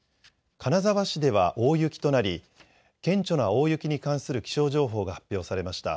金沢市では大雪となり顕著な大雪に関する気象情報が発表されました。